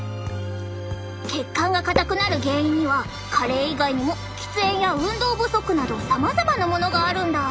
血管が硬くなる原因には加齢以外にも喫煙や運動不足などさまざまなものがあるんだ。